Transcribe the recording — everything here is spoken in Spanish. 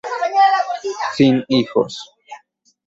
Sin hijos.